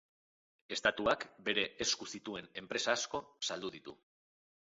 Estatuak bere esku zituen enpresa asko saldu ditu.